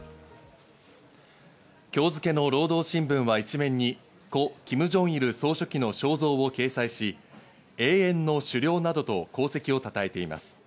今日付の労働新聞は一面に故キム・ジョンイル総書記の肖像を掲載し、永遠の首領などと功績をたたえています。